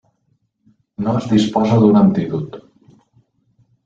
No es disposa d'un antídot.